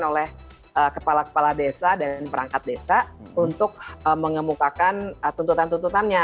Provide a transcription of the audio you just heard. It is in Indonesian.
oleh kepala kepala desa dan perangkat desa untuk mengemukakan tuntutan tuntutannya